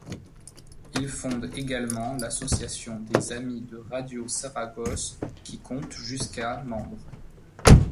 Il fonde également l'Association des amis de Radio-Saragosse, qui compte jusqu'à membres.